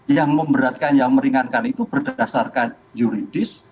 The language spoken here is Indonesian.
yang memberatkan yang meringankan itu berdasarkan yuridis